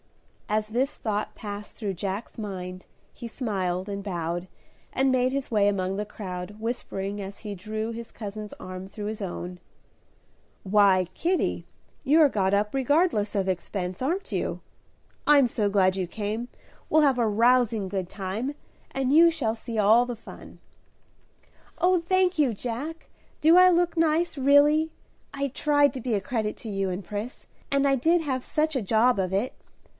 As this thought passed through Jack's mind he smiled and bowed and made his way among the crowd, whispering as he drew his cousin's arm through his own, "Why, Kitty, you're got up regardless of expense, aren't you? I'm so glad you came, we'll have a rousing good time, and you shall see all the fun." "Oh, thank you, Jack! Do I look nice, really? I tried to be a credit to you and Pris, and I did have such a job of it.